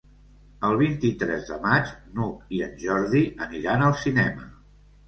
El vint-i-tres de maig n'Hug i en Jordi aniran al cinema.